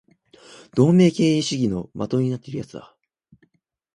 同盟敬遠主義の的になっている奴だ